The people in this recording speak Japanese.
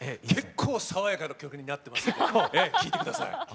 結構爽やかな曲になってますので聴いてください。